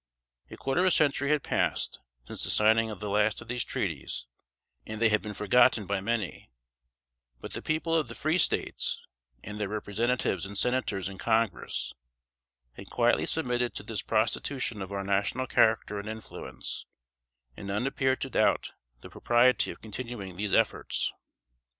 A quarter of a century had passed, since the signing of the last of these treaties, and they had been forgotten by many; but the people of the free States, and their Representatives and Senators in Congress, had quietly submitted to this prostitution of our national character and influence, and none appeared to doubt the propriety of continuing these efforts. [Sidenote: 1821.